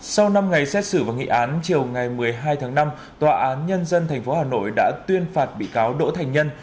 sau năm ngày xét xử và nghị án chiều ngày một mươi hai tháng năm tòa án nhân dân tp hà nội đã tuyên phạt bị cáo đỗ thành nhân